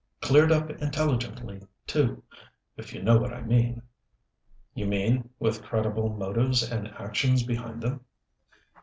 Cleared up intelligently, too, if you know what I mean." "You mean with credible motives and actions behind them."